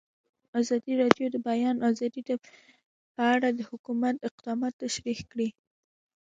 ازادي راډیو د د بیان آزادي په اړه د حکومت اقدامات تشریح کړي.